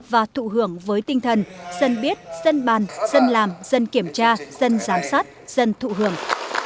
và thụ hưởng với tinh thần dân biết dân bàn dân làm dân kiểm tra dân giám sát dân thụ hưởng